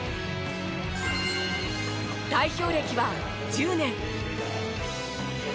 代表歴は１０年。